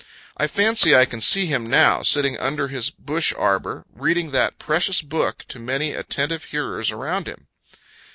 I fancy I can see him now, sitting under his bush arbor, reading that precious book to many attentive hearers around him.